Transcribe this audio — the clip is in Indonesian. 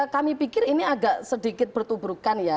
kami pikir ini agak sedikit bertuburkan ya